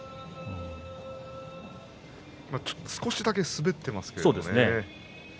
少しだけ滑っていますね。